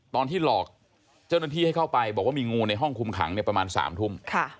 ตอนที่หลอกเจ้าหน้าที่ให้เข้าไปบอกว่ามีงูในห้องคุมขังประมาณ๓ทุ่ม